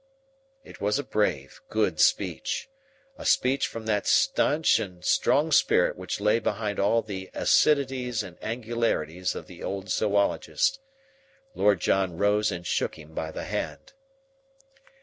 It was a brave, good speech, a speech from that stanch and strong spirit which lay behind all the acidities and angularities of the old zoologist. Lord John rose and shook him by the hand.